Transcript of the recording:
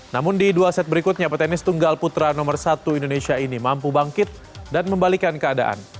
namun di dua set berikutnya petenis tunggal putra nomor satu indonesia ini mampu bangkit dan membalikan keadaan